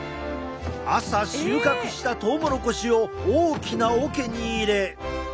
朝収穫したトウモロコシを大きなおけに入れ。